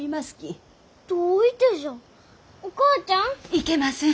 いけません。